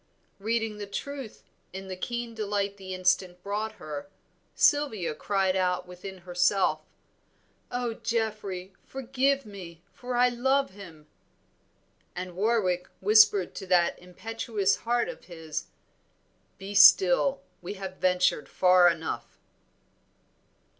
Reading the truth in the keen delight the instant brought her, Sylvia cried out within herself, "Oh, Geoffrey, forgive me, for I love him!" and Warwick whispered to that impetuous heart of his, "Be still, we have ventured far enough."